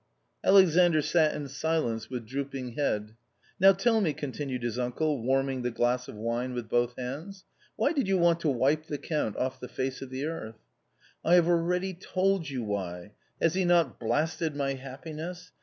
Alexandr sat in silence with drooping head. " Now, tell me," continued his uncle, warming the glass of wine with both hands, " why did you want to wipe the Count off the face of the earth ?"" I have already told you why ; has he not blasted my happiness